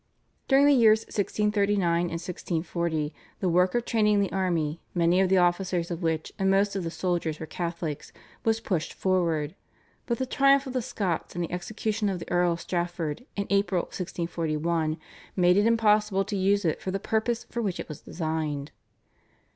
During the years 1639 and 1640 the work of training the army, many of the officers of which and most of the soldiers, were Catholics, was pushed forward, but the triumph of the Scots and the execution of the Earl of Strafford in April 1641 made it impossible to use it for the purpose for which it was designed.